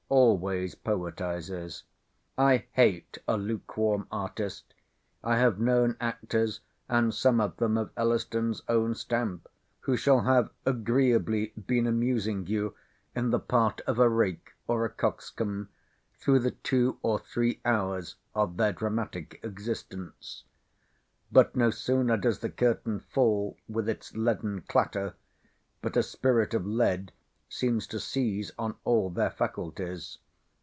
always poetises. I hate a lukewarm artist. I have known actors—and some of them of Elliston's own stamp—who shall have agreeably been amusing you in the part of a rake or a coxcomb, through the two or three hours of their dramatic existence; but no sooner does the curtain fall with its leaden clatter, but a spirit of lead seems to seize on all their faculties.